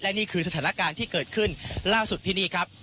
นี่คือสถานการณ์ที่เกิดขึ้นล่าสุดที่นี่ครับ